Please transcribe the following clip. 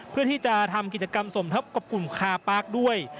เพื่อที่จะทำกิจกรรมสมทบกับกลุ่มคาปาร์คด้วย